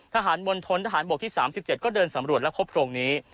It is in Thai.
มณฑนทหารบกที่๓๗ก็เดินสำรวจและพบโพรงนี้